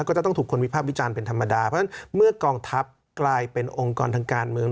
ก็จะต้องถูกคนวิภาพวิจารณ์เป็นธรรมดาเพราะฉะนั้นเมื่อกองทัพกลายเป็นองค์กรทางการเมือง